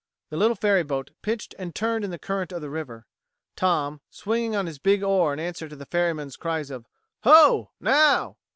The little ferryboat pitched and turned in the current of the river. Tom, swinging on his big oar in answer to the ferryman's cries of "Ho!" "Now!"